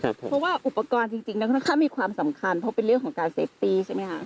ครับผมเพราะว่าอุปกรณ์จริงจริงนะครับค่ะมีความสำคัญเพราะเป็นเรื่องของการเซฟตี้ใช่ไหมค่ะ